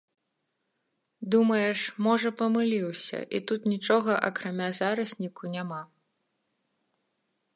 Думаеш, можа, памыліўся, і тут нічога акрамя зарасніку няма.